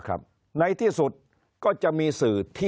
คนในวงการสื่อ๓๐องค์กร